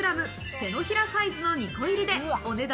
手のひらサイズの２個入りで、お値段